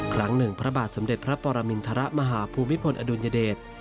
ครั้งหนึ่งพระบาทสมเด็จพระปรมินทรมาหาภูมิพลอดุลยเดช